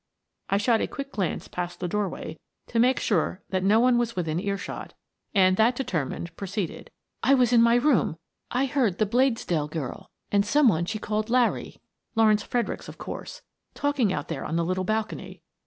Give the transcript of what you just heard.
I shot a quick glance past the door way to make sure that no one was within ear shot, and, that determined, proceeded: "I was in my room. I heard the Bladesdell girl and some one she called ' Larry* — Lawrence Fredericks, of course, — talking out there on the little balcony.